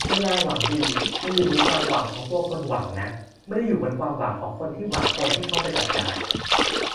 เวลา หวังดี มันอยู่บนความหวังของตัวคนหวังนะ ไม่ได้อยู่บนความหวังของคนที่คนหวังจะเข้าไปจัดการ